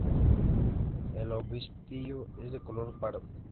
El obispillo es de color pardo.